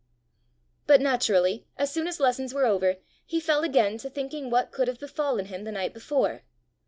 But naturally, as soon as lessons were over, he fell again to thinking what could have befallen him the night before.